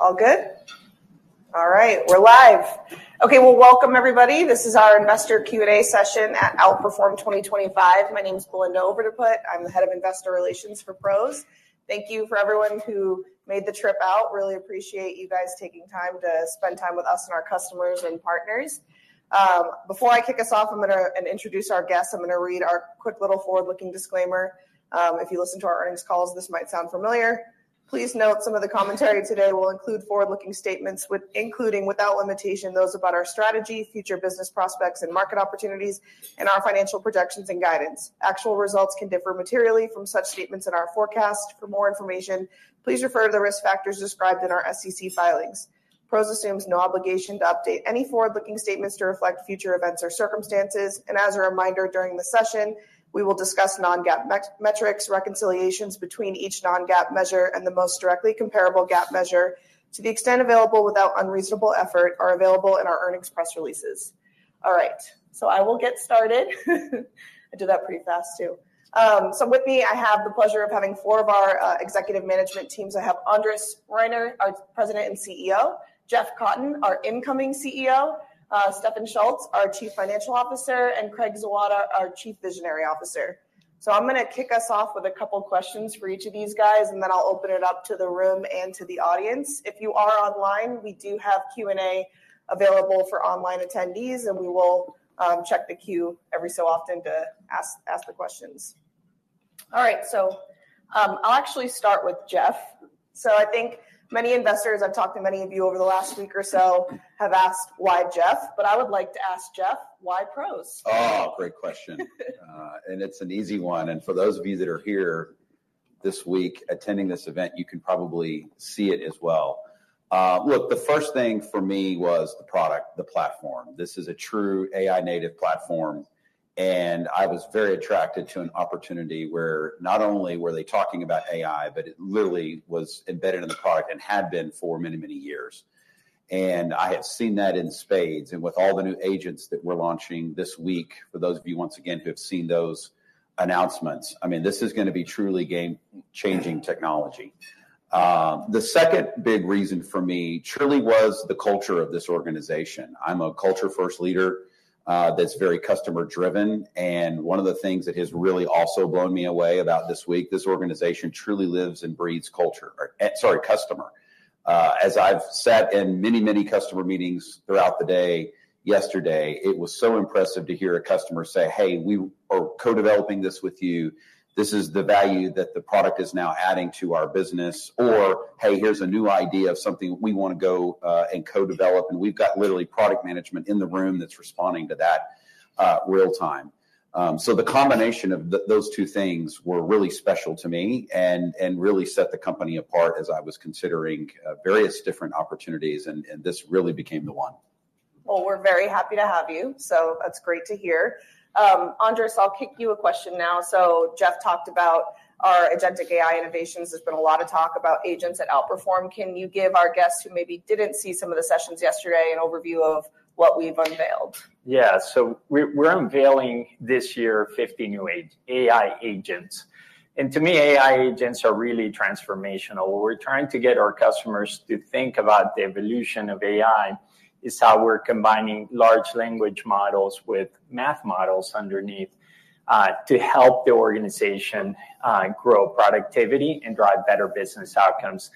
All good? All right, we're live. Okay, welcome everybody. This is our investor Q&A session at Outperform 2025. My name's Belinda Overdepot I'm the Head of Investor Relations for Pros. Thank you to everyone who made the trip out. Really appreciate you guys taking time to spend time with us and our customers and partners. Before I kick us off, I'm going to introduce our guests. I'm going to read our quick little forward-looking disclaimer. If you listen to our earnings calls, this might sound familiar. Please note some of the commentary today will include forward-looking statements, including without limitation, those about our strategy, future business prospects, and market opportunities, and our financial projections and guidance. Actual results can differ materially from such statements in our forecast. For more information, please refer to the risk factors described in our SEC filings. PROS assumes no obligation to update any forward-looking statements to reflect future events or circumstances. As a reminder, during the session, we will discuss non-GAAP metrics, reconciliations between each non-GAAP measure, and the most directly comparable GAAP measure to the extent available without unreasonable effort are available in our earnings press releases. All right, I will get started. I do that pretty fast too. With me, I have the pleasure of having four of our executive management team. I have Andres Reiner, our President and CEO; Jeff Cotton, our incoming CEO; Stefan Schultz, our Chief Financial Officer; and Craig Zawada, our Chief Visionary Officer. I am going to kick us off with a couple of questions for each of these guys, and then I'll open it up to the room and to the audience. If you are online, we do have Q&A available for online attendees, and we will check the queue every so often to ask the questions. All right, I will actually start with Jeff. I think many investors, I have talked to many of you over the last week or so, have asked, "Why Jeff?" I would like to ask Jeff, "Why PROS? Oh, great question. It's an easy one. For those of you that are here this week attending this event, you can probably see it as well. Look, the first thing for me was the product, the platform. This is a true AI-native platform. I was very attracted to an opportunity where not only were they talking about AI, but it literally was embedded in the product and had been for many, many years. I had seen that in spades. With all the new agents that we're launching this week, for those of you, once again, who have seen those announcements, I mean, this is going to be truly game-changing technology. The second big reason for me truly was the culture of this organization. I'm a culture-first leader that's very customer-driven. One of the things that has really also blown me away about this week, this organization truly lives and breathes customer. As I've sat in many, many customer meetings throughout the day yesterday, it was so impressive to hear a customer say, "Hey, we are co-developing this with you. This is the value that the product is now adding to our business." Or, "Hey, here's a new idea of something we want to go and co-develop." We've got literally product management in the room that's responding to that real time. The combination of those two things were really special to me and really set the company apart as I was considering various different opportunities. This really became the one. We're very happy to have you. That's great to hear. Andres, I'll kick you a question now. Jeff talked about our agentic AI innovations. There's been a lot of talk about agents at Outperform. Can you give our guests who maybe didn't see some of the sessions yesterday an overview of what we've unveiled? Yeah, so we're unveiling this year 50 new AI agents. To me, AI agents are really transformational. What we're trying to get our customers to think about the evolution of AI is how we're combining large language models with math models underneath to help the organization grow productivity and drive better business outcomes.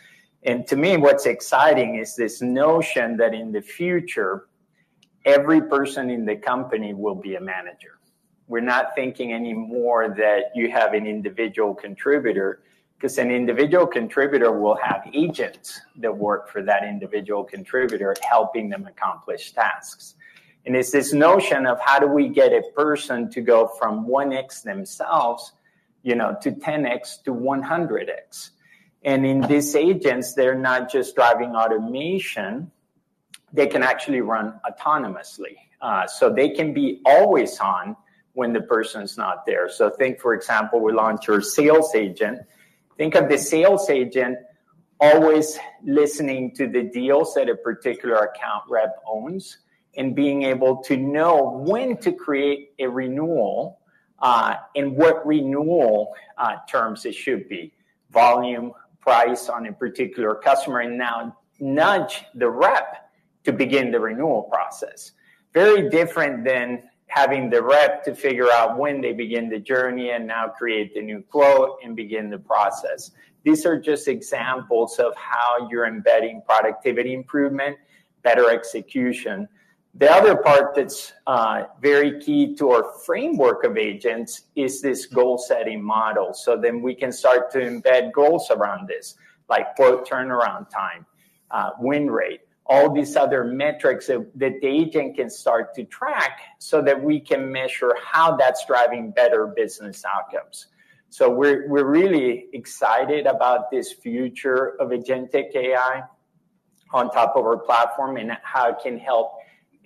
To me, what's exciting is this notion that in the future, every person in the company will be a manager. We're not thinking anymore that you have an individual contributor because an individual contributor will have agents that work for that individual contributor helping them accomplish tasks. It's this notion of how do we get a person to go from 1x themselves to 10x to 100x. In these agents, they're not just driving automation. They can actually run autonomously. They can be always on when the person's not there. Think, for example, we launched our Sales Agent. Think of the Sales Agent always listening to the deals that a particular account rep owns and being able to know when to create a renewal and what renewal terms it should be, volume, price on a particular customer, and now nudge the rep to begin the renewal process. Very different than having the rep figure out when they begin the journey and now create the new quote and begin the process. These are just examples of how you're embedding productivity improvement, better execution. The other part that's very key to our framework of agents is this goal-setting model. Then we can start to embed goals around this, like quote turnaround time, win rate, all these other metrics that the agent can start to track so that we can measure how that's driving better business outcomes. We're really excited about this future of agentic AI on top of our platform and how it can help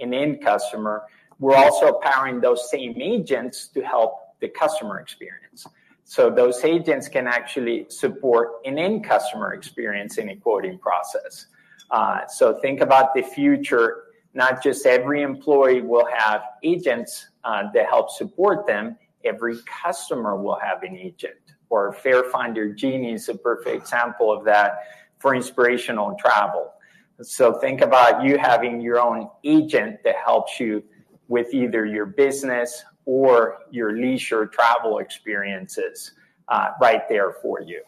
an end customer. We're also powering those same agents to help the customer experience. Those agents can actually support an end customer experience in a quoting process. Think about the future. Not just every employee will have agents that help support them. Every customer will have an agent. Fair Finder Genie is a perfect example of that for inspirational travel. Think about you having your own agent that helps you with either your business or your leisure travel experiences right there for you.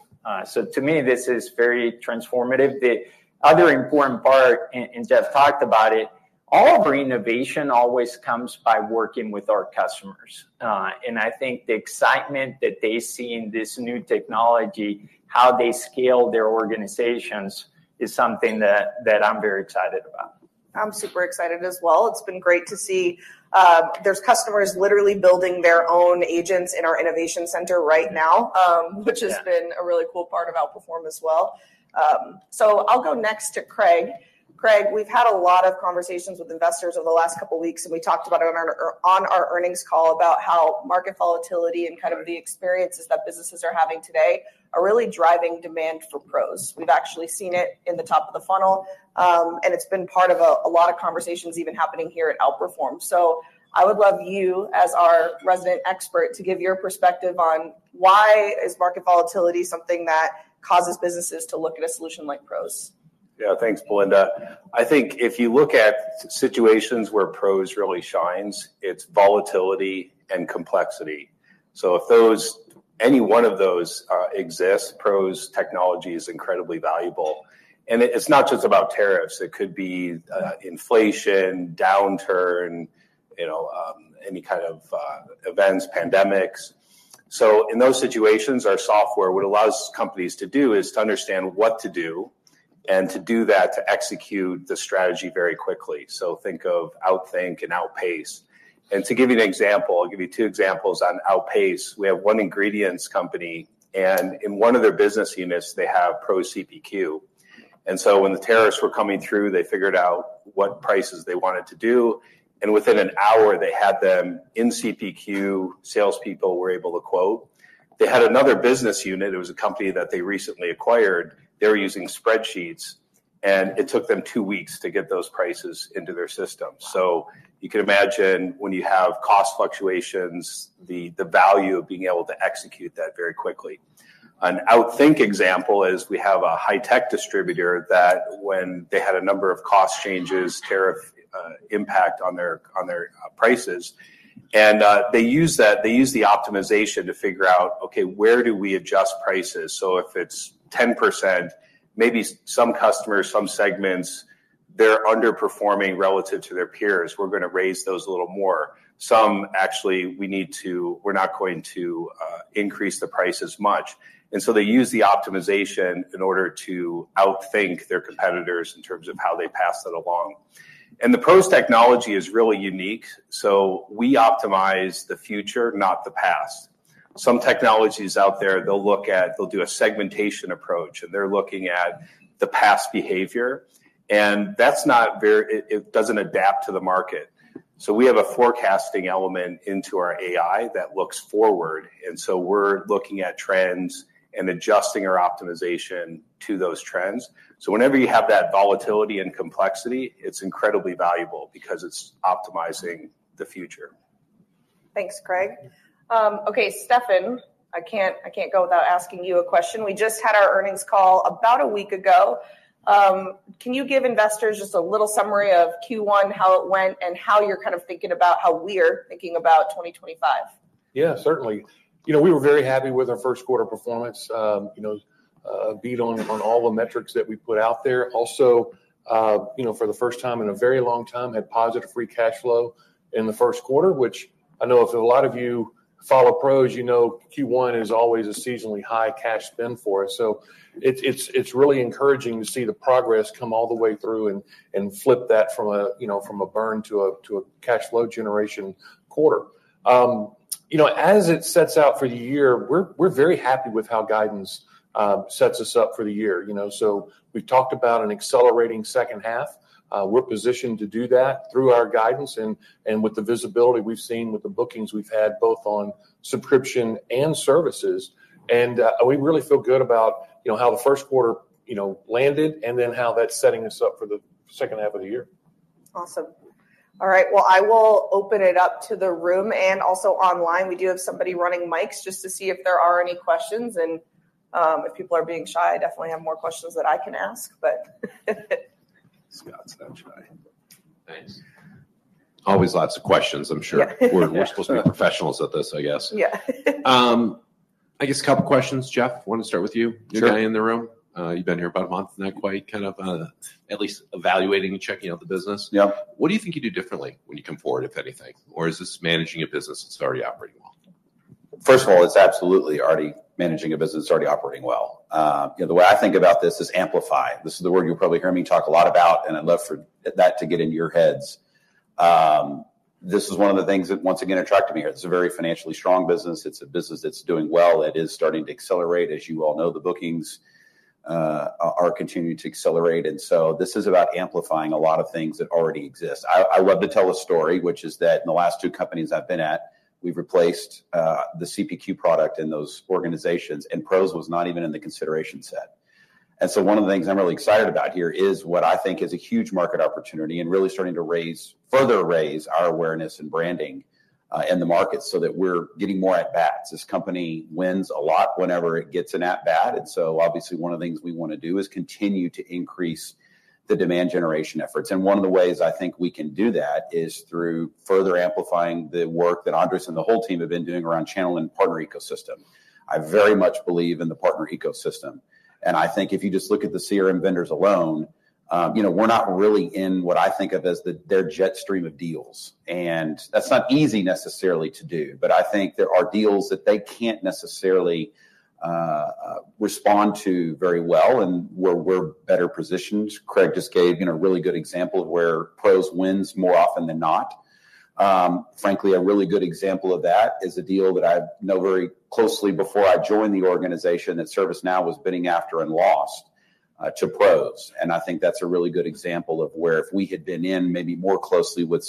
To me, this is very transformative. The other important part, and Jeff talked about it, all of our innovation always comes by working with our customers. I think the excitement that they see in this new technology, how they scale their organizations, is something that I'm very excited about. I'm super excited as well. It's been great to see there's customers literally building their own agents in our innovation center right now, which has been a really cool part of Outperform as well. I'll go next to Craig. Craig, we've had a lot of conversations with investors over the last couple of weeks, and we talked about it on our earnings call about how market volatility and kind of the experiences that businesses are having today are really driving demand for PROS. We've actually seen it in the top of the funnel, and it's been part of a lot of conversations even happening here at Outperform. I would love you, as our resident expert, to give your perspective on why is market volatility something that causes businesses to look at a solution like PROS? Yeah, thanks, Belinda. I think if you look at situations where PROS really shines, it's volatility and complexity. If any one of those exists, PROS technology is incredibly valuable. It's not just about tariffs. It could be inflation, downturn, any kind of events, pandemics. In those situations, our software, what it allows companies to do is to understand what to do and to do that to execute the strategy very quickly. Think of Outthink and Outpace. To give you an example, I'll give you two examples on Outpace. We have one ingredients company, and in one of their business units, they have Pro CPQ. When the tariffs were coming through, they figured out what prices they wanted to do. Within an hour, they had them in CPQ. Sales people were able to quote. They had another business unit. It was a company that they recently acquired. They were using spreadsheets, and it took them two weeks to get those prices into their system. You can imagine when you have cost fluctuations, the value of being able to execute that very quickly. An Outthink example is we have a high-tech distributor that when they had a number of cost changes, tariff impact on their prices. They use the optimization to figure out, okay, where do we adjust prices? If it's 10%, maybe some customers, some segments, they're underperforming relative to their peers. We're going to raise those a little more. Some actually, we're not going to increase the price as much. They use the optimization in order to outthink their competitors in terms of how they pass that along. The PROS technology is really unique. We optimize the future, not the past. Some technologies out there, they'll look at, they'll do a segmentation approach, and they're looking at the past behavior. That's not very, it doesn't adapt to the market. We have a forecasting element into our AI that looks forward. We're looking at trends and adjusting our optimization to those trends. Whenever you have that volatility and complexity, it's incredibly valuable because it's optimizing the future. Thanks, Craig. Okay, Stefan, I can't go without asking you a question. We just had our earnings call about a week ago. Can you give investors just a little summary of Q1, how it went, and how you're kind of thinking about how we are thinking about 2025? Yeah, certainly. You know, we were very happy with our first quarter performance, beat on all the metrics that we put out there. Also, for the first time in a very long time, had positive free cash flow in the first quarter, which I know if a lot of you follow PROS, you know Q1 is always a seasonally high cash spend for us. It is really encouraging to see the progress come all the way through and flip that from a burn to a cash flow generation quarter. You know, as it sets out for the year, we are very happy with how guidance sets us up for the year. We have talked about an accelerating second half. We are positioned to do that through our guidance and with the visibility we have seen with the bookings we have had both on subscription and services. We really feel good about how the first quarter landed and then how that's setting us up for the second half of the year. Awesome. All right, I will open it up to the room and also online. We do have somebody running mics just to see if there are any questions. If people are being shy, I definitely have more questions that I can ask, but. Scott's not shy. Thanks. Always lots of questions, I'm sure. We're supposed to be professionals at this, I guess. Yeah. I guess a couple of questions. Jeff, want to start with you? You're the guy in the room. You've been here about a month, not quite, kind of at least evaluating and checking out the business. Yep. What do you think you do differently when you come forward, if anything? Or is this managing a business that's already operating well? First of all, it's absolutely already managing a business that's already operating well. The way I think about this is amplify. This is the word you'll probably hear me talk a lot about, and I'd love for that to get into your heads. This is one of the things that, once again, attracted me here. It's a very financially strong business. It's a business that's doing well. It is starting to accelerate. As you all know, the bookings are continuing to accelerate. This is about amplifying a lot of things that already exist. I love to tell a story, which is that in the last two companies I've been at, we've replaced the CPQ product in those organizations, and PROS was not even in the consideration set. One of the things I'm really excited about here is what I think is a huge market opportunity and really starting to further raise our awareness and branding in the market so that we're getting more at-bats. This company wins a lot whenever it gets an at-bat. Obviously, one of the things we want to do is continue to increase the demand generation efforts. One of the ways I think we can do that is through further amplifying the work that Andres and the whole team have been doing around channel and partner ecosystem. I very much believe in the partner ecosystem. I think if you just look at the CRM vendors alone, we're not really in what I think of as their jet stream of deals. That's not easy necessarily to do, but I think there are deals that they can't necessarily respond to very well, and we're better positioned. Craig just gave a really good example of where PROS wins more often than not. Frankly, a really good example of that is a deal that I know very closely before I joined the organization that ServiceNow was bidding after and lost to PROS. I think that's a really good example of where if we had been in maybe more closely with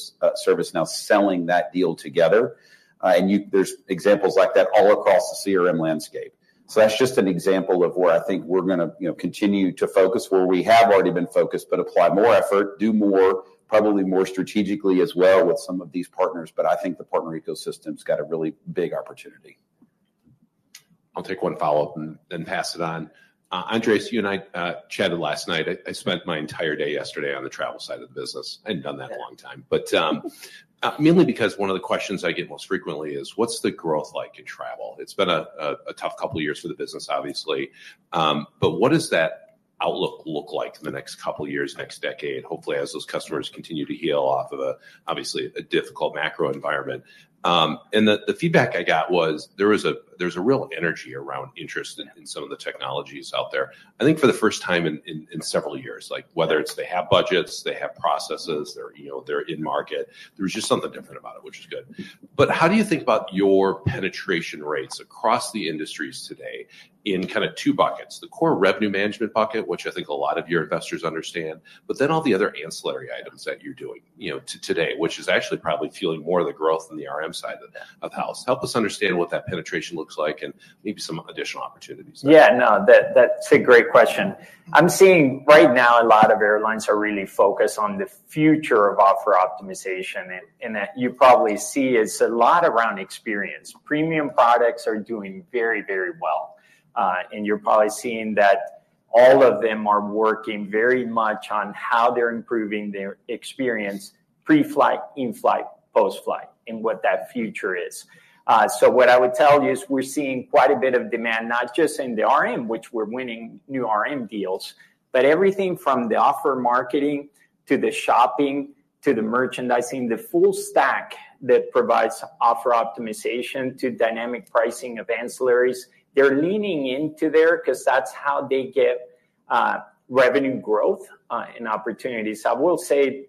ServiceNow selling that deal together, and there's examples like that all across the CRM landscape. That's just an example of where I think we're going to continue to focus where we have already been focused, but apply more effort, do more, probably more strategically as well with some of these partners. I think the partner ecosystem's got a really big opportunity. I'll take one follow-up and pass it on. Andres, you and I chatted last night. I spent my entire day yesterday on the travel side of the business. I hadn't done that in a long time, mainly because one of the questions I get most frequently is, what's the growth like in travel? It's been a tough couple of years for the business, obviously. What does that outlook look like in the next couple of years, next decade, hopefully as those customers continue to heal off of obviously a difficult macro environment? The feedback I got was there's a real energy around interest in some of the technologies out there. I think for the first time in several years, whether it's they have budgets, they have processes, they're in market, there was just something different about it, which is good. How do you think about your penetration rates across the industries today in kind of two buckets? The core revenue management bucket, which I think a lot of your investors understand, but then all the other ancillary items that you're doing today, which is actually probably fueling more of the growth in the RM side of the house. Help us understand what that penetration looks like and maybe some additional opportunities. Yeah, no, that's a great question. I'm seeing right now a lot of airlines are really focused on the future of offer optimization. You probably see it's a lot around experience. Premium products are doing very, very well. You're probably seeing that all of them are working very much on how they're improving their experience pre-flight, in-flight, post-flight, and what that future is. What I would tell you is we're seeing quite a bit of demand, not just in the RM, which we're winning new RM deals, but everything from the offer marketing to the shopping to the merchandising, the full stack that provides offer optimization to dynamic pricing of ancillaries. They're leaning into there because that's how they get revenue growth and opportunities. I will say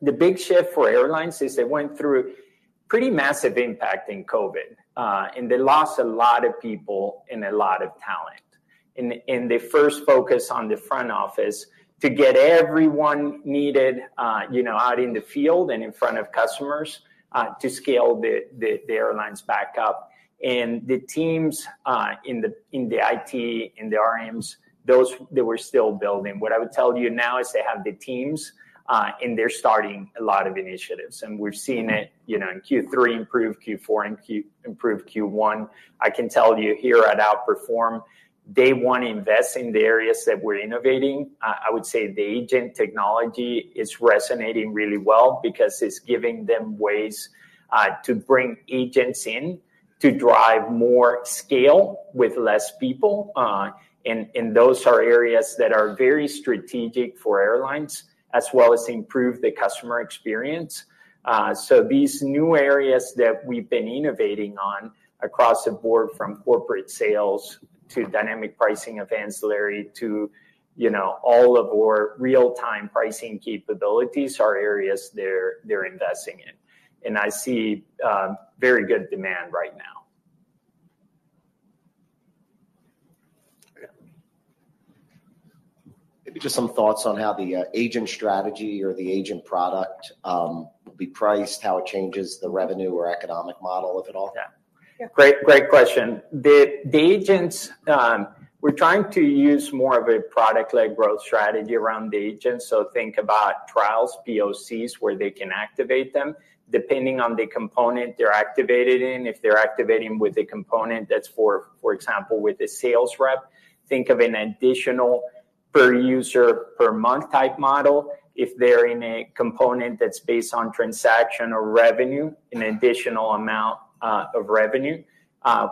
the big shift for airlines is they went through pretty massive impact in COVID, and they lost a lot of people and a lot of talent. They first focused on the front office to get everyone needed out in the field and in front of customers to scale the airlines back up. The teams in the IT, in the RMs, those that were still building. What I would tell you now is they have the teams, and they're starting a lot of initiatives. We've seen it in Q3 improved, Q4 improved, Q1. I can tell you here at Outperform, they want to invest in the areas that we're innovating. I would say the agent technology is resonating really well because it's giving them ways to bring agents in to drive more scale with less people. Those are areas that are very strategic for airlines, as well as improve the customer experience. These new areas that we've been innovating on across the board from corporate sales to dynamic pricing of ancillary to all of our real-time pricing capabilities are areas they're investing in. I see very good demand right now. Maybe just some thoughts on how the agent strategy or the agent product will be priced, how it changes the revenue or economic model, if at all? Yeah. Great question. The agents, we're trying to use more of a product-led growth strategy around the agents. Think about trials, POCs, where they can activate them. Depending on the component they're activated in, if they're activating with a component that's, for example, with a sales rep, think of an additional per user per month type model. If they're in a component that's based on transaction or revenue, an additional amount of revenue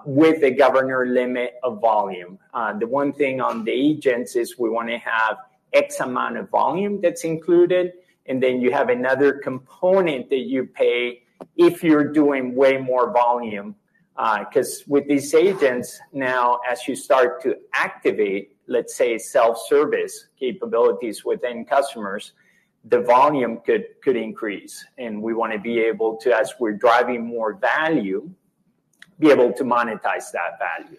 with a governor limit of volume. The one thing on the agents is we want to have X amount of volume that's included. Then you have another component that you pay if you're doing way more volume. Because with these agents now, as you start to activate, let's say, self-service capabilities within customers, the volume could increase. We want to be able to, as we're driving more value, be able to monetize that value.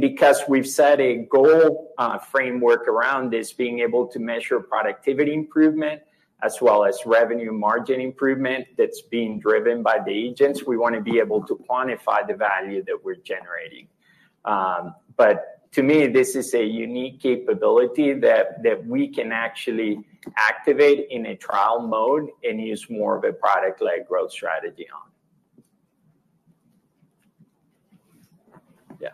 Because we've set a goal framework around this, being able to measure productivity improvement as well as revenue margin improvement that's being driven by the agents, we want to be able to quantify the value that we're generating. To me, this is a unique capability that we can actually activate in a trial mode and use more of a product-led growth strategy on. Yeah.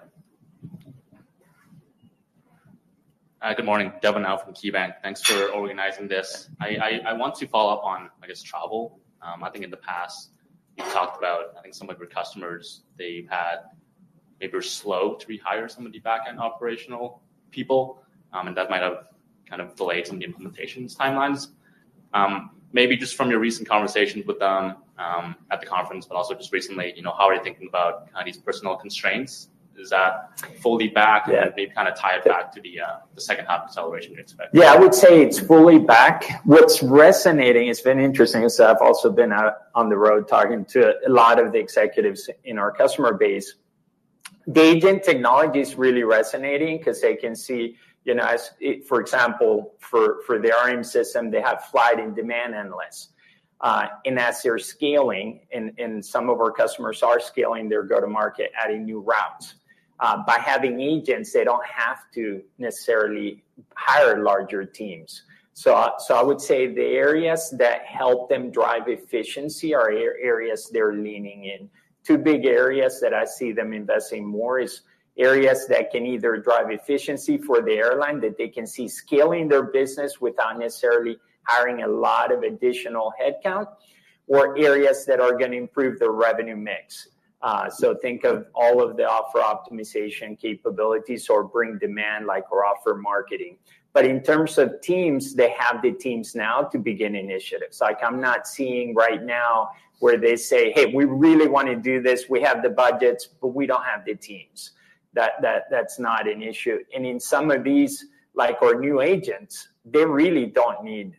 Good morning, Devin now from KeyBank. Thanks for organizing this. I want to follow up on, I guess, travel. I think in the past, you've talked about, I think some of your customers, they've had maybe a slow to rehire some of the backend operational people, and that might have kind of delayed some of the implementation timelines. Maybe just from your recent conversations with them at the conference, but also just recently, how are you thinking about these personal constraints? Is that fully back and maybe kind of tie it back to the second half acceleration you expect? Yeah, I would say it's fully back. What's resonating has been interesting. I've also been out on the road talking to a lot of the executives in our customer base. The agent technology is really resonating because they can see, for example, for the RM system, they have flight and demand analysts. As they're scaling, and some of our customers are scaling their go-to-market, adding new routes, by having agents, they don't have to necessarily hire larger teams. I would say the areas that help them drive efficiency are areas they're leaning in. Two big areas that I see them investing more are areas that can either drive efficiency for the airline that they can see scaling their business without necessarily hiring a lot of additional headcount or areas that are going to improve their revenue mix. Think of all of the offer optimization capabilities or bring demand like our offer marketing. In terms of teams, they have the teams now to begin initiatives. I'm not seeing right now where they say, "Hey, we really want to do this. We have the budgets, but we don't have the teams." That's not an issue. In some of these, like our new agents, they really don't need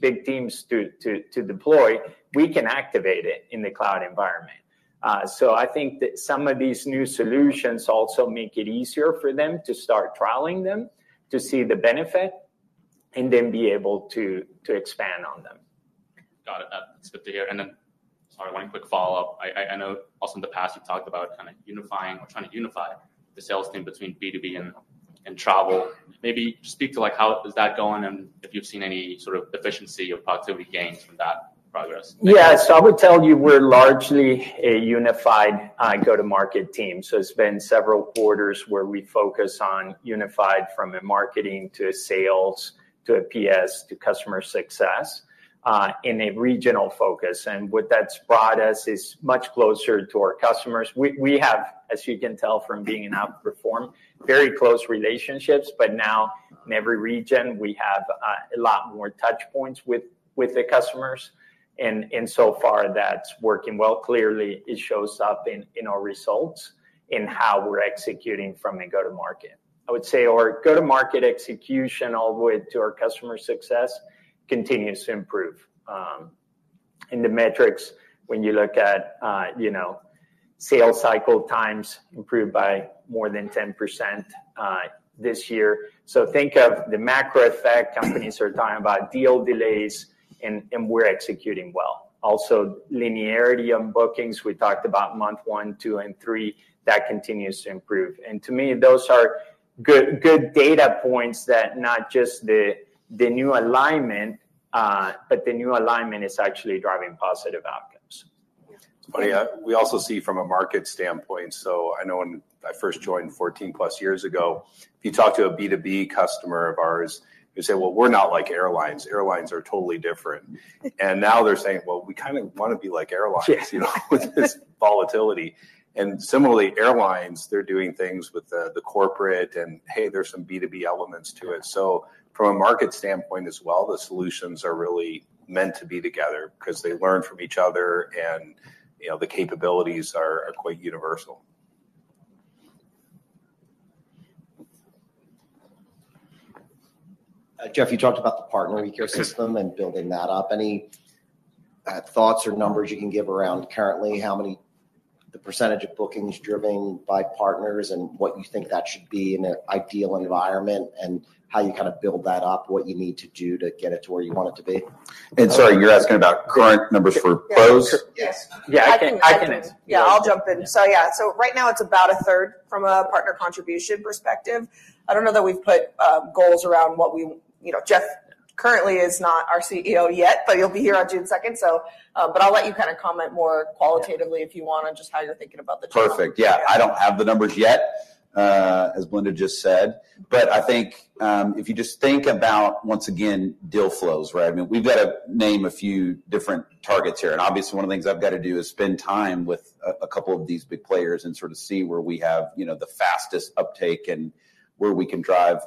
big teams to deploy. We can activate it in the cloud environment. I think that some of these new solutions also make it easier for them to start trialing them to see the benefit and then be able to expand on them. Got it. That's good to hear. Sorry, one quick follow-up. I know also in the past you've talked about kind of unifying or trying to unify the sales team between B2B and travel. Maybe speak to how is that going and if you've seen any sort of efficiency or productivity gains from that progress. Yeah, so I would tell you we're largely a unified go-to-market team. It has been several quarters where we focus on unified from marketing to sales to PS to customer success in a regional focus. What that's brought us is much closer to our customers. We have, as you can tell from being in Outperform, very close relationships, but now in every region, we have a lot more touchpoints with the customers. So far, that's working well. Clearly, it shows up in our results in how we're executing from a go-to-market. I would say our go-to-market execution all the way to our customer success continues to improve. In the metrics, when you look at sales cycle times improved by more than 10% this year. Think of the macro effect. Companies are talking about deal delays, and we're executing well. Also, linearity on bookings. We talked about month one, two, and three. That continues to improve. To me, those are good data points that not just the new alignment, but the new alignment is actually driving positive outcomes. It's funny. We also see from a market standpoint. I know when I first joined 14-plus years ago, if you talk to a B2B customer of ours, they say, "Well, we're not like airlines. Airlines are totally different." Now they're saying, "Well, we kind of want to be like airlines with this volatility." Similarly, airlines, they're doing things with the corporate and, "Hey, there's some B2B elements to it." From a market standpoint as well, the solutions are really meant to be together because they learn from each other and the capabilities are quite universal. Jeff, you talked about the partner ecosystem and building that up. Any thoughts or numbers you can give around currently how many, the percentage of bookings driven by partners, and what you think that should be in an ideal environment, and how you kind of build that up, what you need to do to get it to where you want it to be? Sorry, you're asking about current numbers for PROS? Yes. Yeah, I can answer. Yeah, I'll jump in. Yeah, right now it's about a third from a partner contribution perspective. I don't know that we've put goals around what we—Jeff currently is not our CEO yet, but he'll be here on June 2nd. I'll let you kind of comment more qualitatively if you want on just how you're thinking about the challenge. Perfect. Yeah. I don't have the numbers yet, as Belinda just said. I think if you just think about, once again, deal flows, right? I mean, we've got to name a few different targets here. Obviously, one of the things I've got to do is spend time with a couple of these big players and sort of see where we have the fastest uptake and where we can drive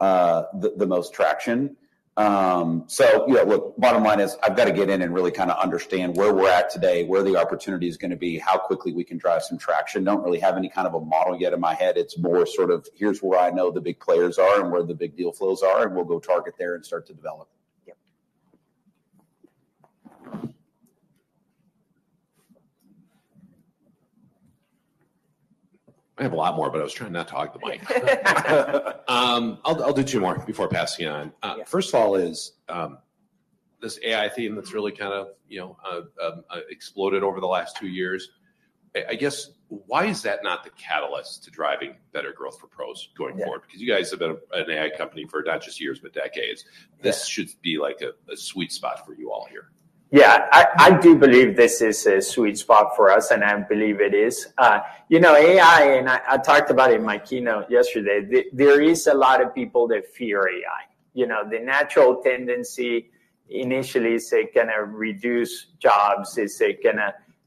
the most traction. Yeah, look, bottom line is I've got to get in and really kind of understand where we're at today, where the opportunity is going to be, how quickly we can drive some traction. Don't really have any kind of a model yet in my head. It's more sort of, here's where I know the big players are and where the big deal flows are, and we'll go target there and start to develop. I have a lot more, but I was trying not to hog the mic. I'll do two more before passing on. First of all is this AI theme that's really kind of exploded over the last two years. I guess, why is that not the catalyst to driving better growth for PROS going forward? Because you guys have been an AI company for not just years, but decades. This should be like a sweet spot for you all here. Yeah, I do believe this is a sweet spot for us, and I believe it is. AI, and I talked about it in my keynote yesterday, there is a lot of people that fear AI. The natural tendency initially is it's going to reduce jobs, it's going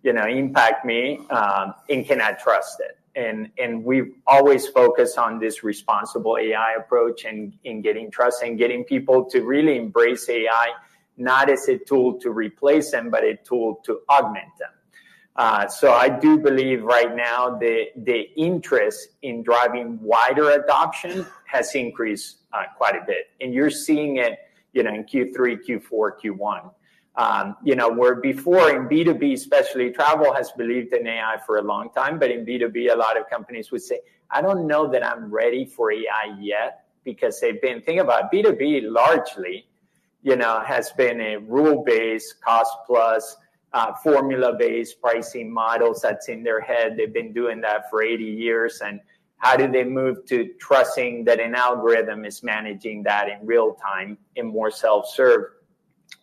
to impact me, and can I trust it? We've always focused on this responsible AI approach in getting trust and getting people to really embrace AI, not as a tool to replace them, but a tool to augment them. I do believe right now the interest in driving wider adoption has increased quite a bit. You're seeing it in Q3, Q4, Q1. Where before in B2B, especially travel, has believed in AI for a long time, but in B2B, a lot of companies would say, "I don't know that I'm ready for AI yet," because they've been thinking about B2B largely has been a rule-based, cost-plus, formula-based pricing model that's in their head. They've been doing that for 80 years. How did they move to trusting that an algorithm is managing that in real time and more self-serve?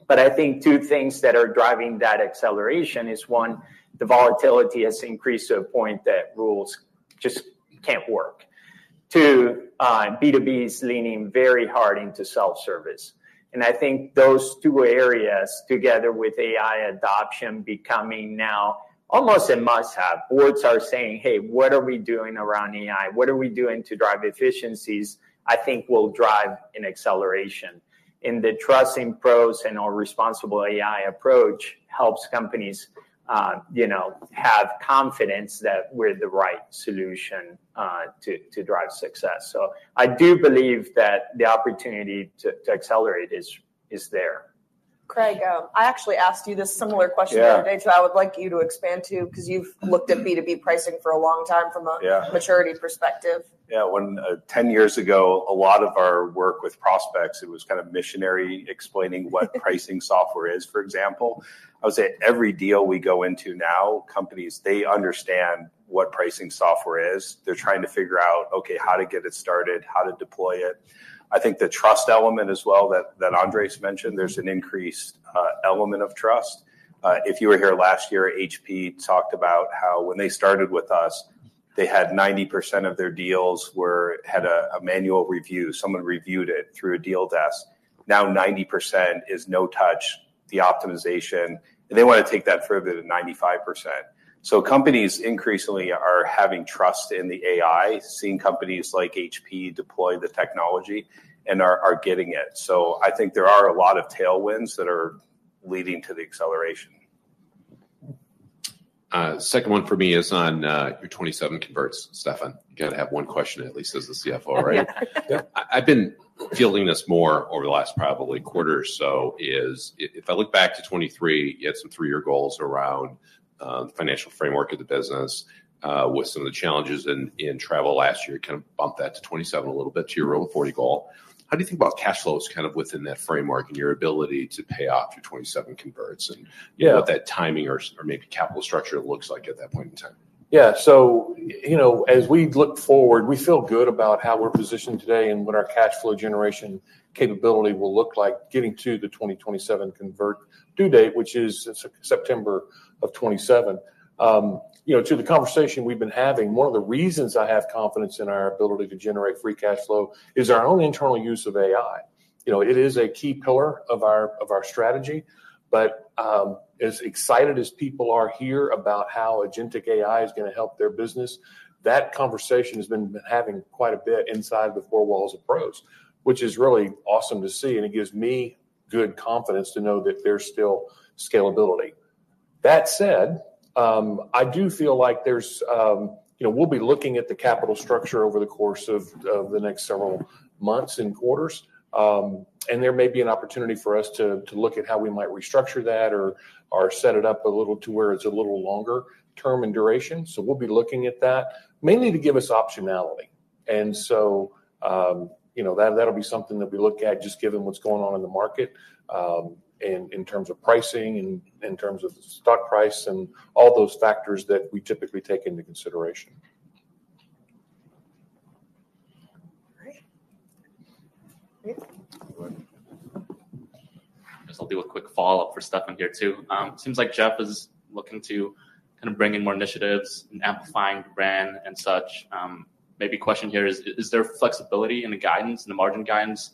I think two things that are driving that acceleration is one, the volatility has increased to a point that rules just can't work. Two, B2B is leaning very hard into self-service. I think those two areas together with AI adoption becoming now almost a must-have. Boards are saying, "Hey, what are we doing around AI? What are we doing to drive efficiencies?" I think will drive an acceleration. The trust in PROS and our responsible AI approach helps companies have confidence that we're the right solution to drive success. I do believe that the opportunity to accelerate is there. Craig, I actually asked you this similar question the other day, so I would like you to expand too because you've looked at B2B pricing for a long time from a maturity perspective. Yeah. When 10 years ago, a lot of our work with prospects, it was kind of missionary explaining what pricing software is, for example. I would say every deal we go into now, companies, they understand what pricing software is. They're trying to figure out, okay, how to get it started, how to deploy it. I think the trust element as well that Andres mentioned, there's an increased element of trust. If you were here last year, HP talked about how when they started with us, they had 90% of their deals had a manual review. Someone reviewed it through a deal desk. Now 90% is no touch, the optimization. They want to take that further to 95%. Companies increasingly are having trust in the AI, seeing companies like HP deploy the technology and are getting it. I think there are a lot of tailwinds that are leading to the acceleration. Second one for me is on your 2027 converts, Stefan. You got to have one question at least as the CFO, right? I've been feeling this more over the last probably quarter or so is if I look back to 2023, you had some three-year goals around the financial framework of the business with some of the challenges in travel last year, kind of bump that to 2027 a little bit to your row 40 goal. How do you think about cash flows kind of within that framework and your ability to pay off your 2027 converts and what that timing or maybe capital structure looks like at that point in time? Yeah. As we look forward, we feel good about how we're positioned today and what our cash flow generation capability will look like getting to the 2027 convert due date, which is September of 2027. To the conversation we've been having, one of the reasons I have confidence in our ability to generate free cash flow is our own internal use of AI. It is a key pillar of our strategy. As excited as people are here about how agentic AI is going to help their business, that conversation has been happening quite a bit inside the four walls of PROS, which is really awesome to see. It gives me good confidence to know that there's still scalability. That said, I do feel like we'll be looking at the capital structure over the course of the next several months and quarters. There may be an opportunity for us to look at how we might restructure that or set it up a little to where it's a little longer term in duration. We'll be looking at that mainly to give us optionality. That will be something that we look at just given what's going on in the market in terms of pricing and in terms of stock price and all those factors that we typically take into consideration. I'll do a quick follow-up for Stefan here too. It seems like Jeff is looking to kind of bring in more initiatives and amplifying brand and such. Maybe question here is, is there flexibility in the guidance and the margin guidance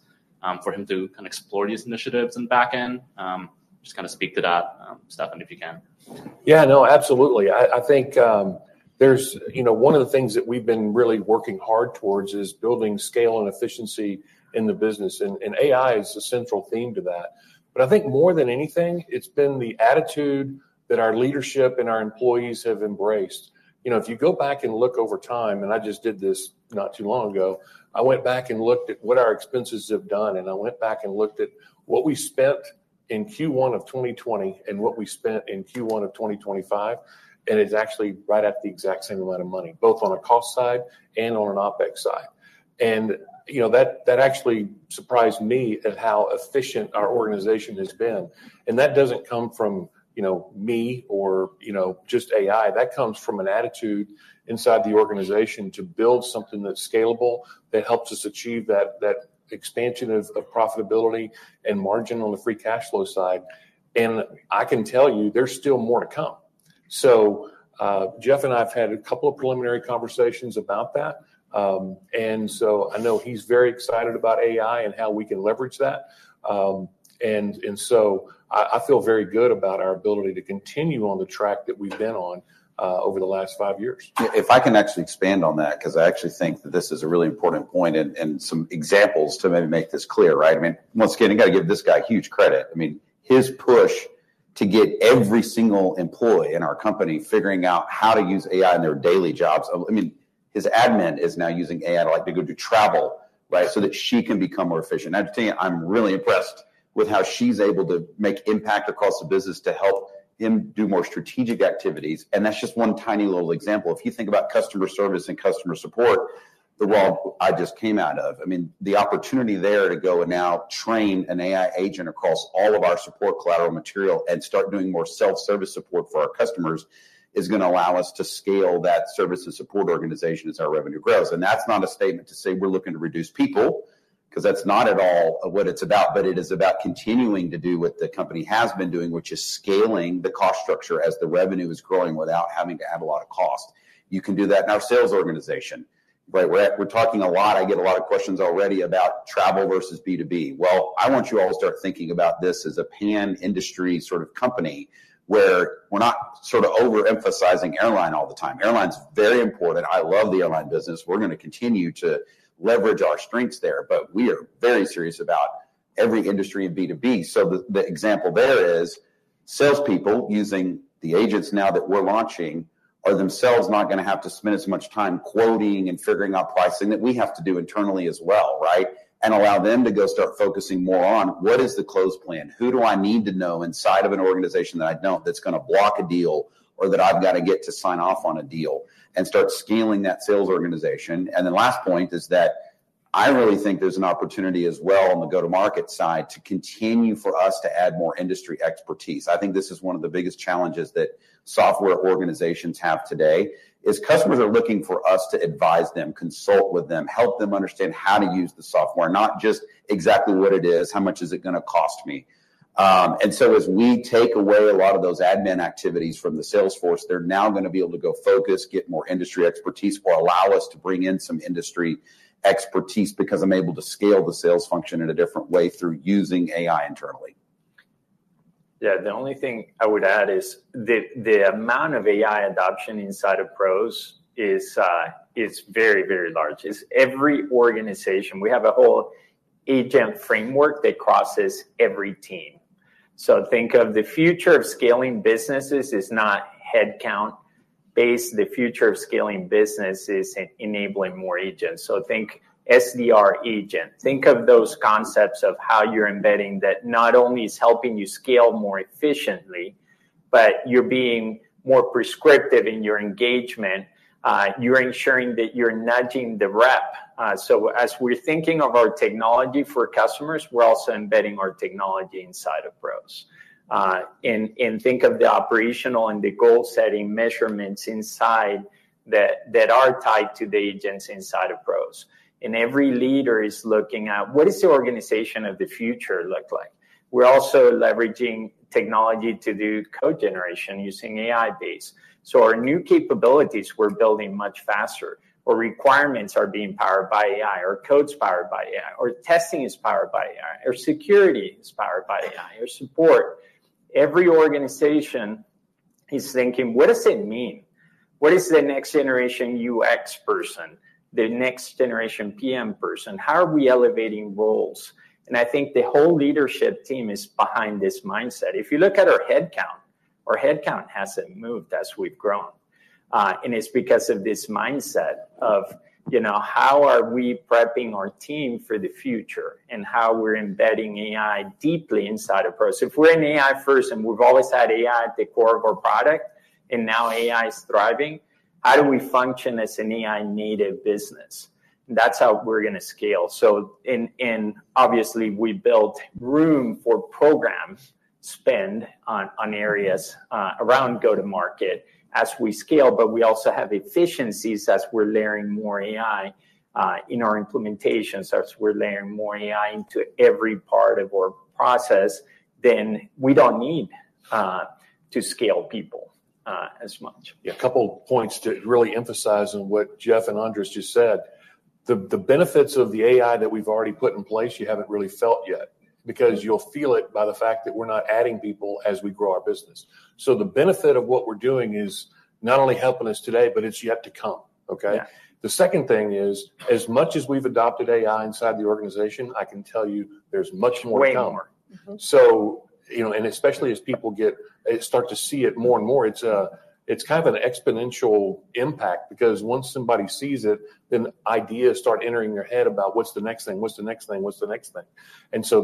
for him to kind of explore these initiatives and backend? Just kind of speak to that, Stefan, if you can. Yeah, no, absolutely. I think there's one of the things that we've been really working hard towards is building scale and efficiency in the business. AI is a central theme to that. I think more than anything, it's been the attitude that our leadership and our employees have embraced. If you go back and look over time, and I just did this not too long ago, I went back and looked at what our expenses have done. I went back and looked at what we spent in Q1 of 2020 and what we spent in Q1 of 2025. It's actually right at the exact same amount of money, both on a cost side and on an OpEx side. That actually surprised me at how efficient our organization has been. That doesn't come from me or just AI. That comes from an attitude inside the organization to build something that's scalable that helps us achieve that expansion of profitability and margin on the free cash flow side. I can tell you, there's still more to come. Jeff and I have had a couple of preliminary conversations about that. I know he's very excited about AI and how we can leverage that. I feel very good about our ability to continue on the track that we've been on over the last five years. If I can actually expand on that, because I actually think that this is a really important point and some examples to maybe make this clear, right? I mean, once again, you got to give this guy huge credit. I mean, his push to get every single employee in our company figuring out how to use AI in their daily jobs. I mean, his admin is now using AI to go to travel, right, so that she can become more efficient. I have to tell you, I'm really impressed with how she's able to make impact across the business to help him do more strategic activities. That is just one tiny little example. If you think about customer service and customer support, the world I just came out of, I mean, the opportunity there to go and now train an AI agent across all of our support collateral material and start doing more self-service support for our customers is going to allow us to scale that service and support organization as our revenue grows. That's not a statement to say we're looking to reduce people because that's not at all what it's about, but it is about continuing to do what the company has been doing, which is scaling the cost structure as the revenue is growing without having to add a lot of cost. You can do that in our sales organization, right? We're talking a lot. I get a lot of questions already about travel versus B2B. I want you all to start thinking about this as a pan-industry sort of company where we're not sort of overemphasizing airline all the time. Airline's very important. I love the airline business. We're going to continue to leverage our strengths there, but we are very serious about every industry in B2B. The example there is salespeople using the agents now that we're launching are themselves not going to have to spend as much time quoting and figuring out pricing that we have to do internally as well, right? It will allow them to go start focusing more on what is the close plan, who do I need to know inside of an organization that I don't that's going to block a deal or that I've got to get to sign off on a deal, and start scaling that sales organization. The last point is that I really think there's an opportunity as well on the go-to-market side to continue for us to add more industry expertise. I think this is one of the biggest challenges that software organizations have today is customers are looking for us to advise them, consult with them, help them understand how to use the software, not just exactly what it is, how much is it going to cost me. As we take away a lot of those admin activities from the Salesforce, they're now going to be able to go focus, get more industry expertise, or allow us to bring in some industry expertise because I'm able to scale the sales function in a different way through using AI internally. Yeah, the only thing I would add is the amount of AI adoption inside of PROS is very, very large. It's every organization. We have a whole agent framework that crosses every team. Think of the future of scaling businesses as not headcount-based. The future of scaling businesses is enabling more agents. Think SDR agent. Think of those concepts of how you're embedding that not only is helping you scale more efficiently, but you're being more prescriptive in your engagement. You're ensuring that you're nudging the rep. As we're thinking of our technology for customers, we're also embedding our technology inside of PROS. Think of the operational and the goal-setting measurements inside that are tied to the agents inside of PROS. Every leader is looking at what does the organization of the future look like. We're also leveraging technology to do code generation using AI-based. Our new capabilities we're building much faster. Our requirements are being powered by AI, our code's powered by AI, our testing is powered by AI, our security is powered by AI, our support. Every organization is thinking, what does it mean? What is the next generation UX person, the next generation PM person? How are we elevating roles? I think the whole leadership team is behind this mindset. If you look at our headcount, our headcount hasn't moved as we've grown. It's because of this mindset of how are we prepping our team for the future and how we're embedding AI deeply inside of PROS. If we're an AI person, we've always had AI at the core of our product, and now AI is thriving. How do we function as an AI-native business? That's how we're going to scale. Obviously, we built room for program spend on areas around go-to-market as we scale, but we also have efficiencies as we're layering more AI in our implementations. As we're layering more AI into every part of our process, then we don't need to scale people as much. Yeah, a couple of points to really emphasize on what Jeff and Adam just said. The benefits of the AI that we've already put in place, you haven't really felt yet because you'll feel it by the fact that we're not adding people as we grow our business. The benefit of what we're doing is not only helping us today, but it's yet to come, okay? The second thing is, as much as we've adopted AI inside the organization, I can tell you there's much more to come. Especially as people start to see it more and more, it's kind of an exponential impact because once somebody sees it, then ideas start entering their head about what's the next thing, what's the next thing, what's the next thing.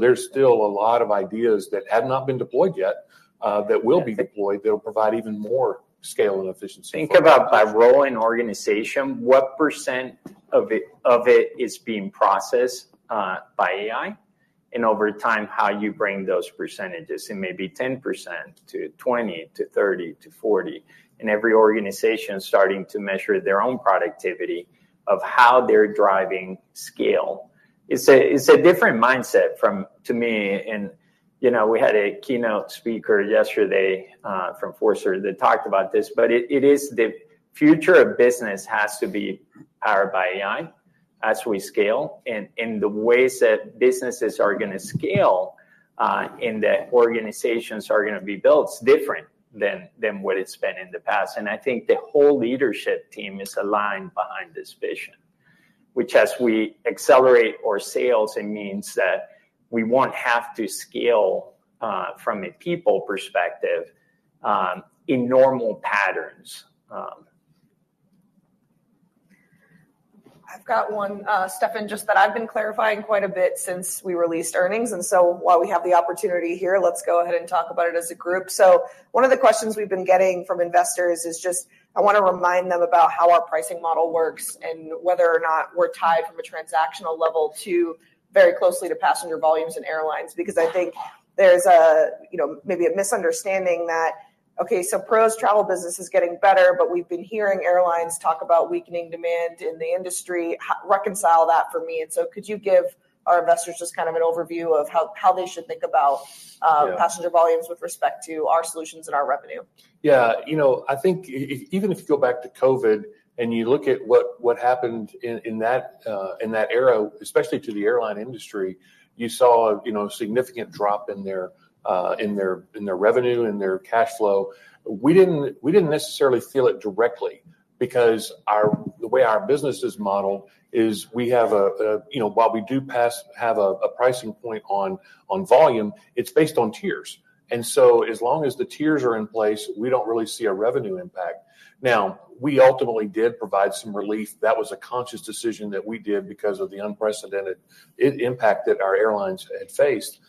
There is still a lot of ideas that have not been deployed yet that will be deployed that will provide even more scale and efficiency. Think about by role in organization, what % of it is being processed by AI? Over time, how you bring those percentages and maybe 10% to 20-30-40 in every organization starting to measure their own productivity of how they're driving scale. It's a different mindset from to me. We had a keynote speaker yesterday from Forrester that talked about this, but it is the future of business has to be powered by AI as we scale. The ways that businesses are going to scale and the organizations are going to be built is different than what it's been in the past. I think the whole leadership team is aligned behind this vision, which as we accelerate our sales, it means that we won't have to scale from a people perspective in normal patterns. I've got one, Stefan, just that I've been clarifying quite a bit since we released earnings. While we have the opportunity here, let's go ahead and talk about it as a group. One of the questions we've been getting from investors is just I want to remind them about how our pricing model works and whether or not we're tied from a transactional level to very closely to passenger volumes and airlines because I think there's maybe a misunderstanding that, okay, Pros travel business is getting better, but we've been hearing airlines talk about weakening demand in the industry. Reconcile that for me. Could you give our investors just kind of an overview of how they should think about passenger volumes with respect to our solutions and our revenue? Yeah, you know I think even if you go back to COVID and you look at what happened in that era, especially to the airline industry, you saw a significant drop in their revenue and their cash flow. We did not necessarily feel it directly because the way our business is modeled is we have a while we do have a pricing point on volume, it is based on tiers. As long as the tiers are in place, we do not really see a revenue impact. We ultimately did provide some relief. That was a conscious decision that we did because of the unprecedented impact that our airlines had faced.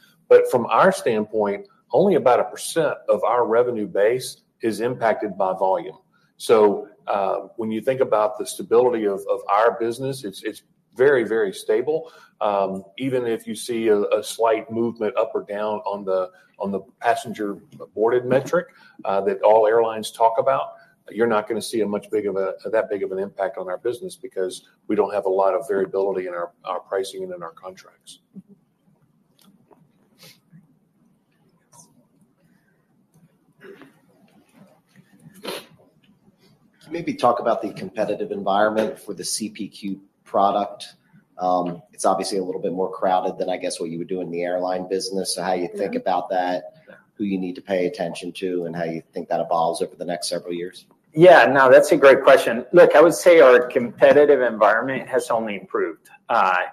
From our standpoint, only about 1% of our revenue base is impacted by volume. When you think about the stability of our business, it is very, very stable. Even if you see a slight movement up or down on the passenger boarded metric that all airlines talk about, you're not going to see that big of an impact on our business because we don't have a lot of variability in our pricing and in our contracts. Can you maybe talk about the competitive environment for the CPQ product? It's obviously a little bit more crowded than I guess what you would do in the airline business. How you think about that, who you need to pay attention to, and how you think that evolves over the next several years? Yeah, no, that's a great question. Look, I would say our competitive environment has only improved. I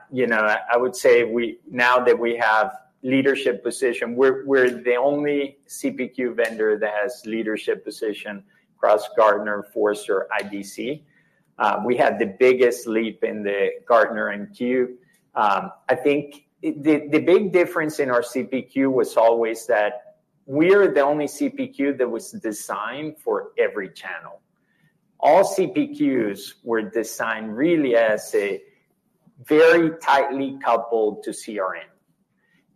would say now that we have leadership position, we're the only CPQ vendor that has leadership position across Gartner, Forrester, IDC. We had the biggest leap in the Gartner and Q. I think the big difference in our CPQ was always that we are the only CPQ that was designed for every channel. All CPQs were designed really as a very tightly coupled to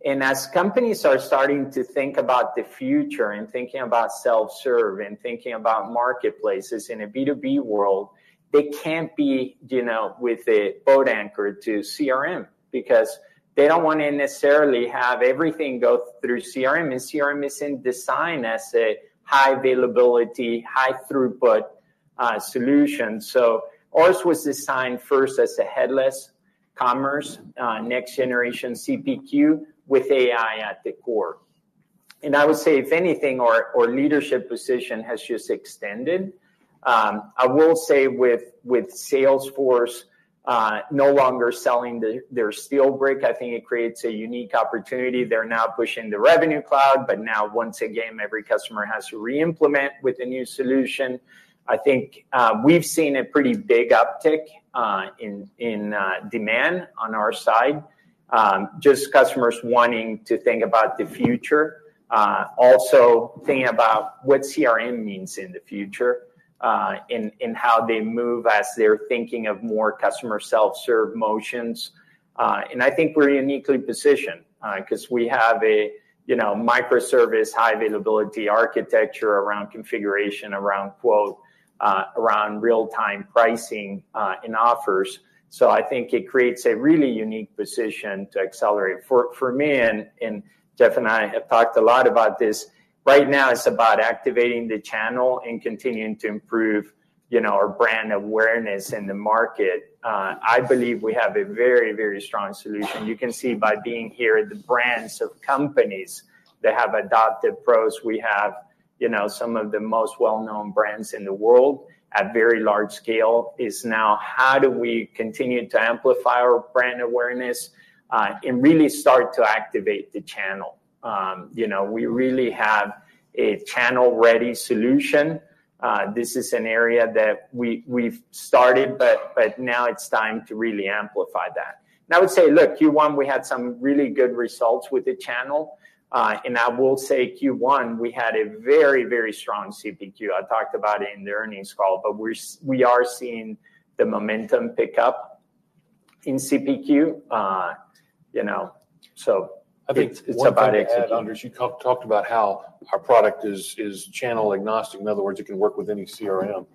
CRM. As companies are starting to think about the future and thinking about self-serve and thinking about marketplaces in a B2B world, they can't be with a boat anchor to CRM because they don't want to necessarily have everything go through CRM and CRM isn't designed as a high availability, high throughput solution. Ours was designed first as a headless commerce, next generation CPQ with AI at the core. I would say if anything, our leadership position has just extended. I will say with Salesforce no longer selling their Steelbrick, I think it creates a unique opportunity. They're now pushing the Revenue Cloud, but now once again, every customer has to re-implement with a new solution. I think we've seen a pretty big uptick in demand on our side, just customers wanting to think about the future, also thinking about what CRM means in the future and how they move as they're thinking of more customer self-serve motions. I think we're uniquely positioned because we have a microservice, high availability architecture around configuration, around quote, around real-time pricing and offers. I think it creates a really unique position to accelerate. For me, and Jeff and I have talked a lot about this, right now it's about activating the channel and continuing to improve our brand awareness in the market. I believe we have a very, very strong solution. You can see by being here at the brands of companies that have adopted PROS, we have some of the most well-known brands in the world at very large scale. It's now how do we continue to amplify our brand awareness and really start to activate the channel. We really have a channel-ready solution. This is an area that we've started, but now it's time to really amplify that. I would say, look, Q1, we had some really good results with the channel. I will say Q1, we had a very, very strong CPQ. I talked about it in the earnings call, but we are seeing the momentum pick up in CPQ. It is about executing. I think one thing that Andre, you talked about how our product is channel agnostic. In other words, it can work with any CRM.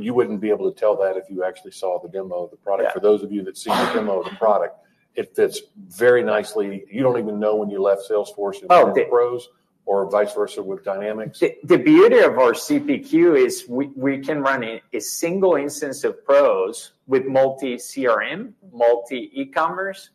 You would not be able to tell that if you actually saw the demo of the product. For those of you that see the demo of the product, it fits very nicely. You do not even know when you left Salesforce and PROS or vice versa with Dynamics. The beauty of our CPQ is we can run a single instance of PROS with multi-CRM, multi-ecommerce.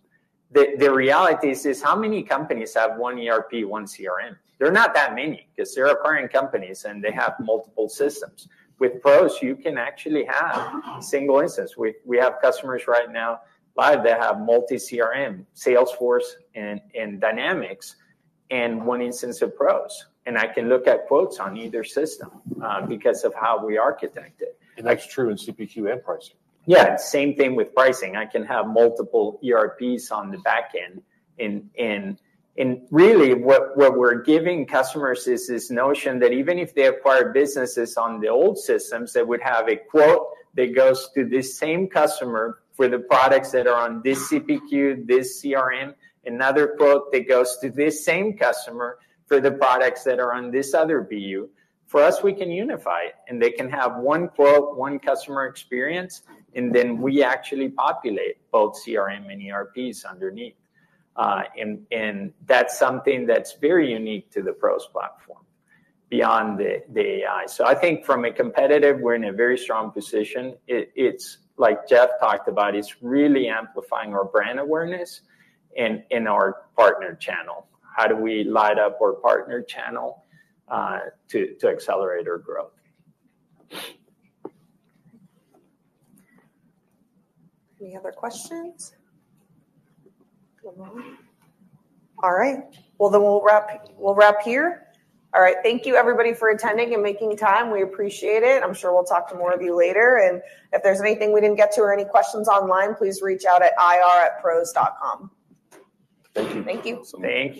The reality is how many companies have one ERP, one CRM? They're not that many because they're acquiring companies and they have multiple systems. With PROS, you can actually have single instance. We have customers right now live that have multi-CRM, Salesforce and Dynamics, and one instance of PROS. I can look at quotes on either system because of how we architect it. That's true in CPQ and pricing. Yeah, same thing with pricing. I can have multiple ERPs on the back end. Really what we're giving customers is this notion that even if they acquire businesses on the old systems, they would have a quote that goes to this same customer for the products that are on this CPQ, this CRM, another quote that goes to this same customer for the products that are on this other BU. For us, we can unify it and they can have one quote, one customer experience, and then we actually populate both CRM and ERPs underneath. That is something that's very unique to the PROS platform beyond the AI. I think from a competitive, we're in a very strong position. It's like Jeff talked about, it's really amplifying our brand awareness and our partner channel. How do we light up our partner channel to accelerate our growth? Any other questions? All right. We'll wrap here. All right. Thank you, everybody, for attending and making time. We appreciate it. I'm sure we'll talk to more of you later. If there's anything we didn't get to or any questions online, please reach out at ir@pros.com. Thank you. Thank you. Thank you.